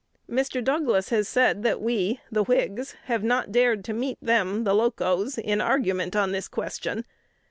Mr. Douglas has said that we (the Whigs) have not dared to meet them (the Locos) in argument on this question.